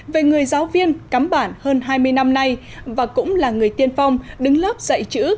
về người giáo viên cắm bản hơn hai mươi năm nay và cũng là người tiên phong đứng lớp dạy chữ